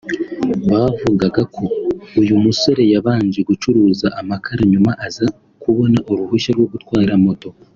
bavugaga ko uyu musore yabanje gucuruza amakara nyuma aza kubona uruhushya rwo gutwara moto